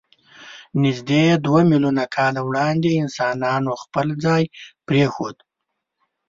نږدې دوه میلیونه کاله وړاندې انسانانو خپل ځای پرېښود.